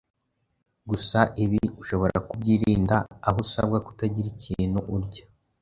Gusa ibi ushobora kubyirinda aho usabwa kutagira ikintu urya